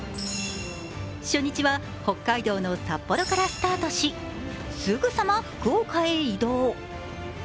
初日は北海道の札幌からスタートし、すぐさま福岡へ移動。